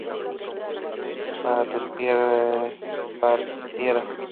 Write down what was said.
que tú partieras